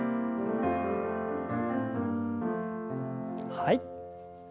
はい。